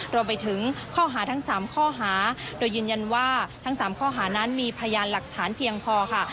รวมไปถึงข้อหาทั้ง๓ข้อหาโดยยืนยันว่าทั้ง๓ข้อหานั้นมีพยานหลักฐานเพียงพอค่ะ